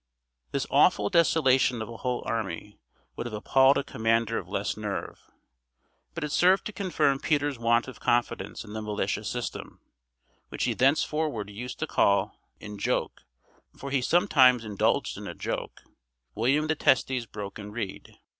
This awful desolation of a whole army would have appalled a commander of less nerve; but it served to confirm Peter's want of confidence in the militia system, which he thenceforward used to call, in joke for he sometimes indulged in a joke William the Testy's broken reed.